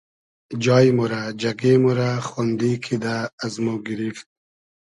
جای مۉ رۂ جئگې مۉ رۂ خۉندی کیدۂ از مۉ گیریفت